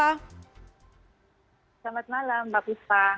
selamat malam mbak pista